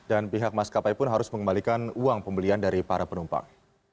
dan pihak maskapai pun harus mengembalikan uang pembelian dari para penumpang